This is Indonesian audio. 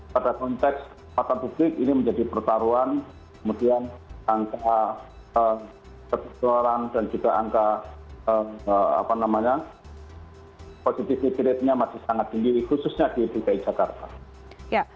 pada konteks kekuatan publik ini menjadi pertaruhan kemudian angka ketukaran dan juga angka positifnya masih sangat tinggi khususnya di bki jakarta